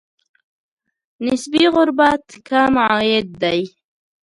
نسبي غربت کم عاید دی.